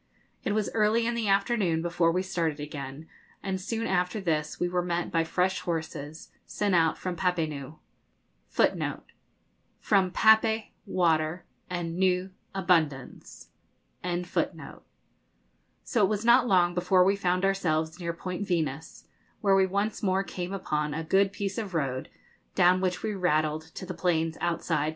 It was early in the afternoon before we started again, and soon after this we were met by fresh horses, sent out from Papenoo; so it was not long before we found ourselves near Point Venus, where we once more came upon a good piece of road, down which we rattled to the plains outside Papeete.